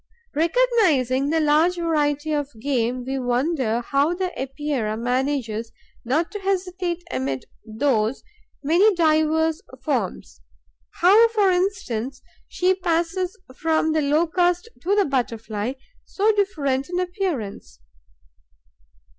Recognizing the large variety of game, we wonder how the Epeira manages not to hesitate amid those many diverse forms, how, for instance, she passes from the Locust to the Butterfly, so different in appearance.